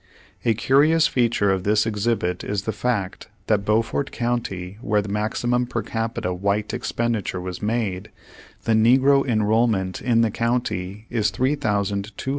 A curious feature of this exhibit is the fact, that Beaufort County where the maximum per capita white expenditure w^as made, the negro enroll ment in the county is 3,251, and the white enroll ment is only 609.